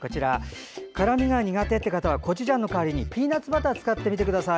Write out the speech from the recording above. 辛みが苦手という方はコチュジャンの代わりにピーナツバターを使ってみてください。